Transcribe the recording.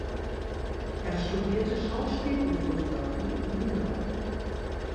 Er studierte Schauspiel und Fotografie in New York.